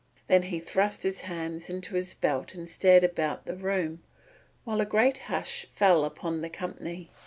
Then he thrust his hands into his belt and stared about the room, while a great hush fell upon the company.